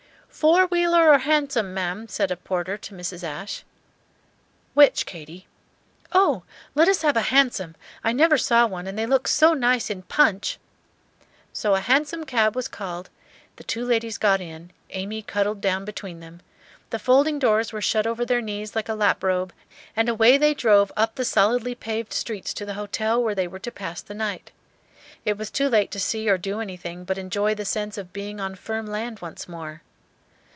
"Four wheeler or hansom, ma'am?" said a porter to Mrs. Ashe. "Which, Katy?" "Oh, let us have a hansom! I never saw one, and they look so nice in 'Punch.'" So a hansom cab was called, the two ladies got in, Amy cuddled down between them, the folding doors were shut over their knees like a lap robe, and away they drove up the solidly paved streets to the hotel where they were to pass the night. It was too late to see or do anything but enjoy the sense of being on firm land once more.